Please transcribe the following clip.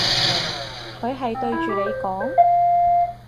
佢係對住你講？